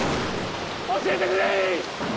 教えてくれ！